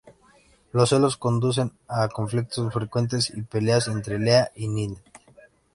Los celos conducen a conflictos frecuentes y peleas entre Leah y Ninette.